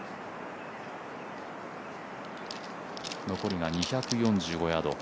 残りが２４５ヤード。